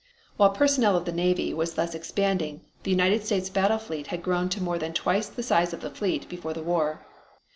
While personnel of the Navy was thus expanding the United States battle fleet had grown to more than twice the size of the fleet before the war.